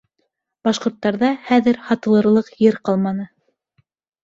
Башҡорттарҙа хәҙер һатылырлыҡ ер ҡалманы.